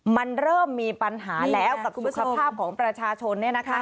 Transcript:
มันเริ่มมีปัญหาแล้วกับคุณภาพของประชาชน